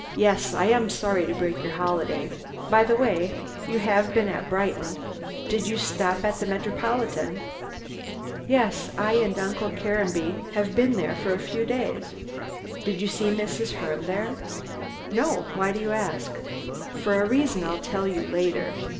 "Yes! I am sorry to break your holiday. By the way, you have been at Brighton. Did you stop at the Metropolitan?" "Yes. I and Uncle Caranby have been there for a few days." "Did you see Mrs. Herne there?" "No. Why do you ask?" "For a reason I'll tell you later."